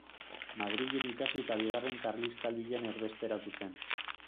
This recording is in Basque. Madrilen ikasi eta Bigarren Karlistaldian erbesteratu zen.